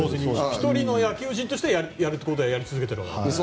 １人の野球人としてやることはやり続けていて。